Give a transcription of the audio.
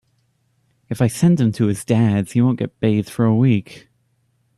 If I send him to his Dad’s he won’t get bathed for a week.